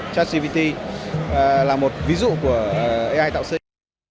chartsgpt là một ví dụ của ai tạo sinh